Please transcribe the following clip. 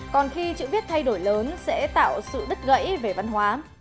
còn khi chữ viết thay đổi lớn sẽ tạo sự đứt gãy về văn hóa